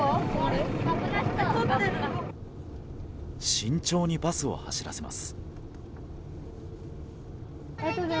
慎重にバスを走らせます。